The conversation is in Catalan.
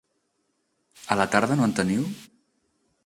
A la tarda no en teniu?